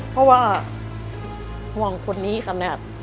เพราะว่าห่วงคนนี้ขนาด